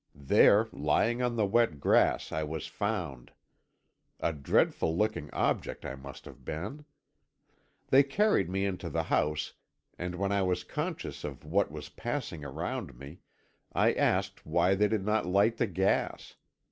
There, lying on the wet grass, I was found. A dreadful looking object I must have been! They carried me into the house, and when I was conscious of what was passing around me, I asked why they did not light the gas.